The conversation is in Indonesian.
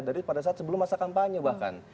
dari pada saat sebelum masa kampanye bahkan